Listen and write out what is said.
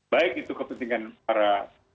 baik itu kepentingan para